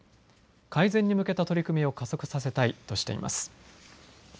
改善に向けた取り組みを加速させたいとしています。